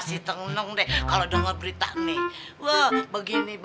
malunya dulu buat apa